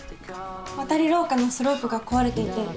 わたりろうかのスロープが壊れていて。